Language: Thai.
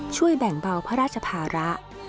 ช่วยแบ่งเบาพระราชภาระ